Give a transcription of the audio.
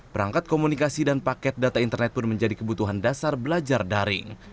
perangkat komunikasi dan paket data internet pun menjadi kebutuhan dasar belajar daring